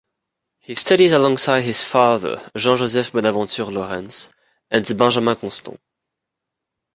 He studies alongside his father, Jean-Joseph Bonaventure Laurens and Benjamin-Constant.